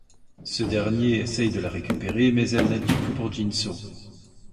Ce dernier essaye de la récupérer, mais elle n'a d'yeux que pour Jin-soo.